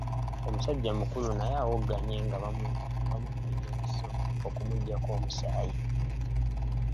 Omusajja mukulu naye awogganye nga bamufumita empiso okumuggyako omusaayi.